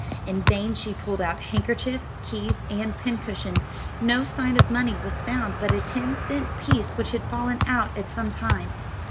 In vain she pulled out handkerchief, keys, and pincushion; no sign of money was found but a ten cent piece which had fallen out at some time.